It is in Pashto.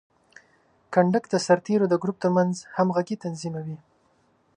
کنډک د سرتیرو د ګروپ ترمنځ همغږي تضمینوي.